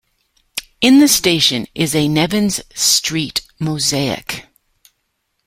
In the station is a "Nevins St." mosaic.